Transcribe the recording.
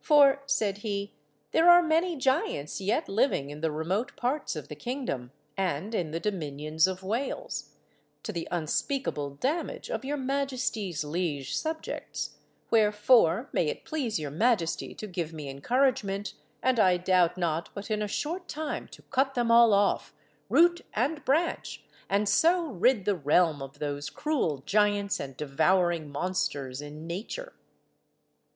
"For," said he, "there are many giants yet living in the remote parts of the kingdom, and in the dominions of Wales, to the unspeakable damage of your majesty's liege subjects, wherefore, may it please your majesty to give me encouragement, and I doubt not but in a short time to cut them all off, root and branch, and so rid the realm of those cruel giants and devouring monsters in nature."